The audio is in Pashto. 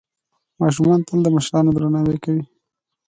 ماشومان تل د مشرانو درناوی کوي.